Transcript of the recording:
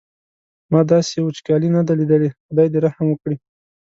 ما داسې وچکالي نه ده لیدلې خدای دې رحم وکړي.